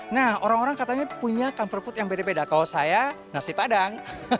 nah orang orang katanya punya comfor food yang beda beda kalau saya nasi padang